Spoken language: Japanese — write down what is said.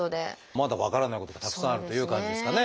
まだ分からないことがたくさんあるという感じですかね。